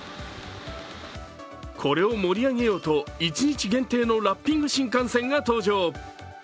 これを盛り上げようと一日限定のラッピング新幹線が登場。